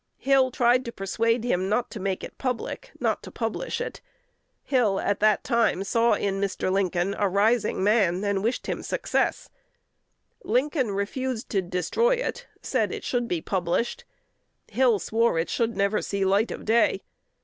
Hill tried to persuade him not to make it public, not to publish it. Hill at that time saw in Mr. Lincoln a rising man, and wished him success. Lincoln refused to destroy it, said it should be published. Hill swore it should never see light of day.